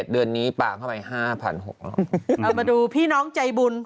เดือนนี้ปางเข้าไป๕๖๐๐เอามาดูพี่น้องใจบุญ